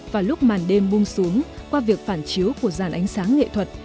vào lúc màn đêm bung xuống qua việc phản chiếu của dàn ánh sáng nghệ thuật